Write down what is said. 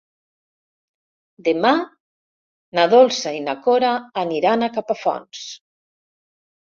Demà na Dolça i na Cora aniran a Capafonts.